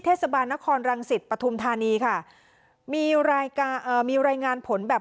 เทศบาลนครรังสิตปฐุมธานีค่ะมีรายการเอ่อมีรายงานผลแบบ